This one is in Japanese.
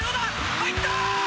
入った。